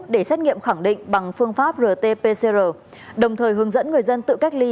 để xét nghiệm khẳng định bằng phương pháp rt pcr đồng thời hướng dẫn người dân tự cách ly